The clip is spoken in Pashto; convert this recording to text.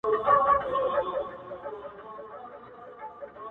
o تر تا څو چنده ستا د زني عالمگير ښه دی.